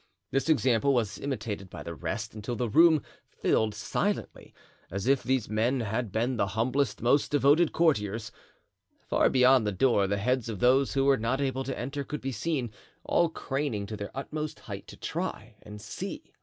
This example was imitated by the rest, until the room filled silently, as if these men had been the humblest, most devoted courtiers. Far beyond the door the heads of those who were not able to enter could be seen, all craning to their utmost height to try and see.